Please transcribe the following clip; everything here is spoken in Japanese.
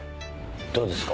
どうですか？